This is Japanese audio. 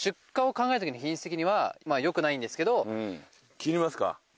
切りますか。